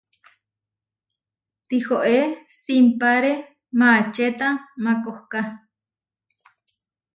Tihoé simpáre maačeta makohká.